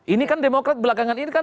ini kan demokrat belakangan ini kan